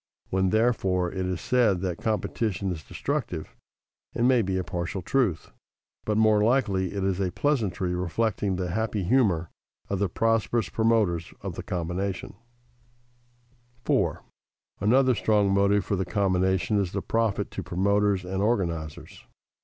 When, therefore, it is said that competition is destructive, it may be a partial truth, but more likely it is a pleasantry reflecting the happy humor of the prosperous promoters of the combination. [Sidenote: Financial gains of combination] 4. _Another strong motive for the combination is the profit to promoters and organizers.